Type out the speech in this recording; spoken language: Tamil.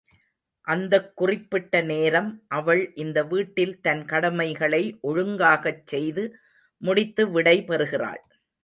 அந்தக் குறிப்பிட்ட நேரம் அவள் இந்த வீட்டில் தன் கடமைகளை ஒழுங்காகச் செய்து முடித்து விடை பெறுகிறாள்.